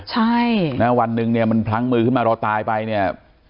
ใช่นะวันหนึ่งเนี่ยมันพลั้งมือขึ้นมารอตายไปเนี่ย